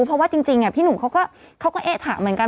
เพราะว่าจริงพี่หนุ่มเขาก็เอ๊ะถามเหมือนกัน